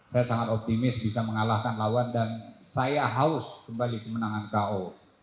saya sangat optimis bisa mengalahkan lawan dan saya haus kembali kemenangan ko